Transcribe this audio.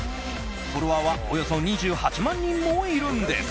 フォロワーはおよそ２８万人もいるんです。